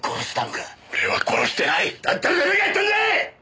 だったら誰がやったんだ！